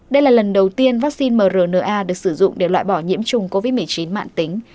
đây là lần đầu tiên vaccine mrna được sử dụng để loại bỏ nhiễm trùng covid một mươi chín mạng tính